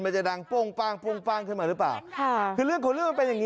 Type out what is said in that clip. สารงปลโป้งปลางขึ้นมารึเปล่า